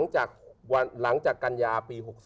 หลังจากกัญญาปี๖๒